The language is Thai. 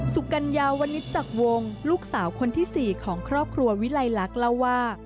กัญญาวณิตจักรวงลูกสาวคนที่๔ของครอบครัววิลัยลักษณ์เล่าว่า